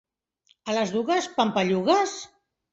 A les dugues, pampallugues?